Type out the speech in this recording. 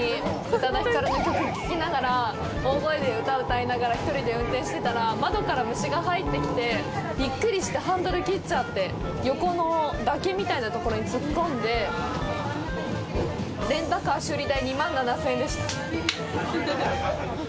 宇多田ヒカルの曲を歌いながら、大声で歌いながら、１人で運転してたら、窓から虫が入ってきてびっくりしてハンドル切っちゃって横の崖みたいなところに突っ込んじゃって、レンタカーの修理代、２万７０００円でした。